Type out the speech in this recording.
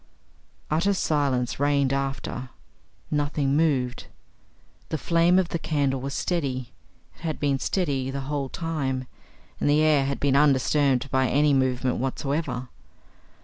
Utter silence reigned after. Nothing moved. The flame of the candle was steady. It had been steady the whole time, and the air had been undisturbed by any movement whatsoever.